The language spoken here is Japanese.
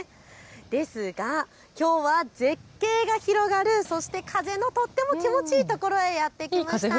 ですが、きょうは絶景が広がるそして風のとっても気持ちいいところへやって来ました。